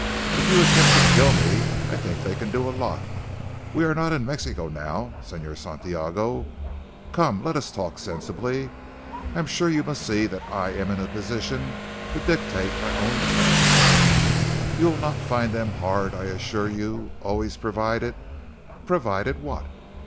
"If you attempt to kill me I think they can do a lot. We are not in Mexico now, Señor Santiago. Come, let us talk sensibly. I am sure you must see that I am in a position to dictate my own terms. You will not find them hard I assure you always provided " "Provided what?"